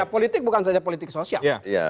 politik bukan saja politik sosial